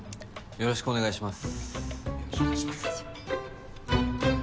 よろしくお願いします。